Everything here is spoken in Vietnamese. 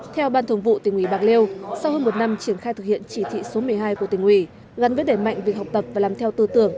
theo ban thường vụ tỉnh ủy bạc liêu sau hơn một năm triển khai thực hiện chỉ thị số một mươi hai của tỉnh ủy gắn với đẩy mạnh việc học tập và làm theo tư tưởng